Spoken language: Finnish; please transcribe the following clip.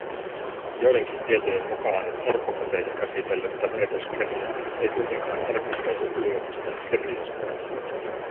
Joidenkin tietojen mukaan orpokoteja käsitellyttä väitöskirjaa ei kuitenkaan arkistoitu yliopiston kirjastoon